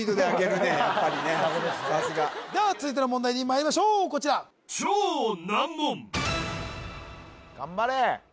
さすが続いての問題にまいりましょうこちら頑張れ！